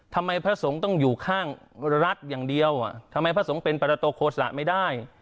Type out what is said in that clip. พระสงฆ์ต้องอยู่ข้างรัฐอย่างเดียวทำไมพระสงฆ์เป็นปรโตโฆษะไม่ได้